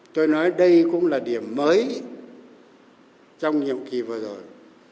tôi nói đây cũng là điểm mới trong nhiệm kỳ vừa rồi